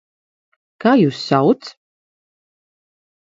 Kā jūs sauc?